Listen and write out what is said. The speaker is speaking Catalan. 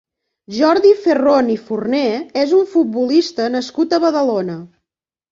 Jordi Ferrón i Forné és un futbolista nascut a Badalona.